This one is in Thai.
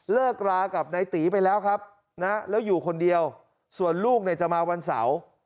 เลิกรากับนายตีไปแล้วครับนะแล้วอยู่คนเดียวส่วนลูกเนี่ยจะมาวันเสาร์